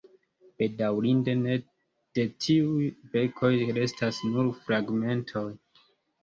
Bedaŭrinde, de tiuj verkoj restas nur fragmentoj.